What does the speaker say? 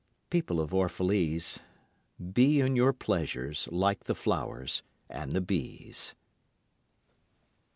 People of Orphalese, be in your pleasures like the flowers and the bees.